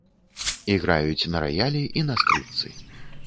Іграюць на раялі і на скрыпцы.